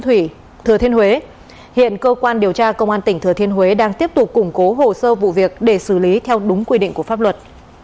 thủy thừa thiên huế hiện cơ quan điều tra công an tỉnh thừa thiên huế đang tiếp tục củng cố hồ sơ vụ việc để xử lý theo đúng quy định của pháp luật